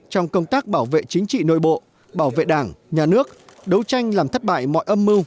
trong công tác bảo vệ chính trị nội bộ bảo vệ đảng nhà nước đấu tranh làm thất bại mọi âm mưu